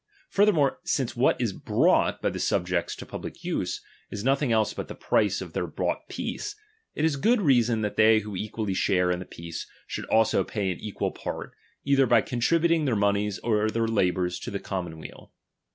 Furthermore, since ^"liat is brought by the subjects to public use, is plotting else but the price of their bought peace, *t is good reason that they who equally share in ttte peace, should also pay an equal part, either by Contributing their monies or their labours to the *'f*i»monweal.